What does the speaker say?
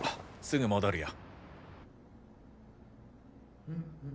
すぐ戻るよ。